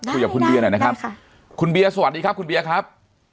ได้คุณเบียหน่อยนะครับได้ค่ะคุณเบียสวัสดีครับคุณเบียครับ